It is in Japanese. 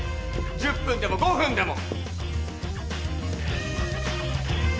１０分でも５分でも。